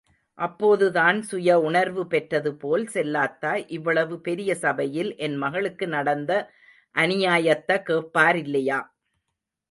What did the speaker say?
அப்போதுதான், சுய உணர்வு பெற்றதுபோல் செல்லாத்தா இவ்வளவு பெரிய சபையில் என் மவளுக்கு நடந்த அநியாயத்த கேப்பாரில்லையா.